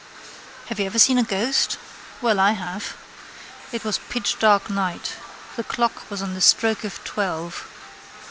Have you ever seen a ghost? Well, I have. It was a pitchdark night. The clock was on the stroke of twelve.